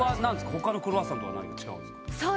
他のクロワッサンと違うんすか？